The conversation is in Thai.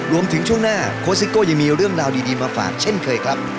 ช่วงหน้าโค้ซิโก้ยังมีเรื่องราวดีมาฝากเช่นเคยครับ